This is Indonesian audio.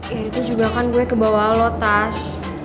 ya itu juga kan gue kebawa lo tas